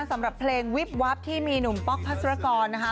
สำหรับเพลงวิบวับที่มีหนุ่มป๊อกพัศรกรนะคะ